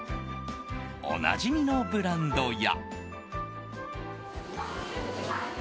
おなじみのブランドや。